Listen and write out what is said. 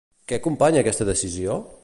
Què acompanya aquesta decisió?